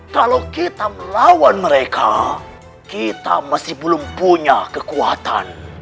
kalau kita melawan mereka kita masih belum punya kekuatan